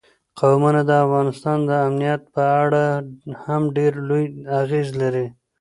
قومونه د افغانستان د امنیت په اړه هم ډېر لوی اغېز لري.